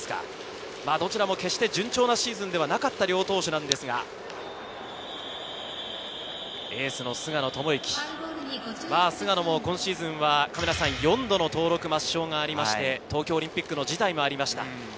どちらも順調なシーズンではなかった両投手ですが、エース・菅野智之、今シーズンは４度の登録抹消がありまして、東京オリンピック辞退もありました。